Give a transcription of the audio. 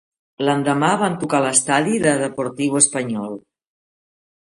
L'endemà, van tocar a l'estadi de Deportivo Español.